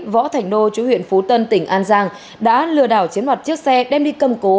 võ thành đô chủ huyện phú tân tỉnh an giang đã lừa đảo chiếm mặt chiếc xe đem đi cầm cố